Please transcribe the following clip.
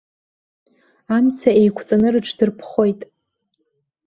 Амца еиқәҵаны рыҽдырԥхоит.